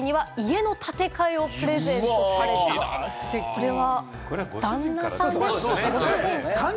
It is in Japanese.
これは旦那さんですかね？